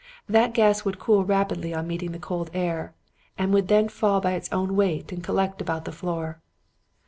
That gas would cool rapidly on meeting the cold air, and then would fall by its own weight and collect about the floor.